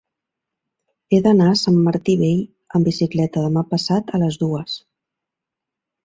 He d'anar a Sant Martí Vell amb bicicleta demà passat a les dues.